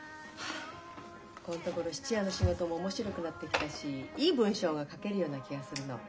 このところ質屋の仕事も面白くなってきたしいい文章が書けるような気がするの。